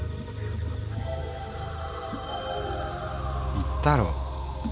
言ったろ。